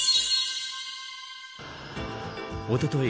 おととい